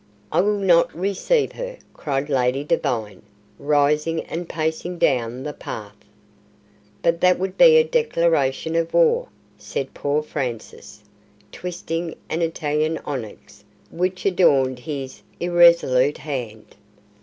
"I will not receive her!" cried Lady Devine, rising and pacing down the path. "But that would be a declaration of war," said poor Francis, twisting an Italian onyx which adorned his irresolute hand.